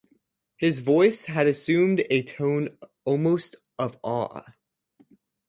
His voice had assumed a tone almost of awe.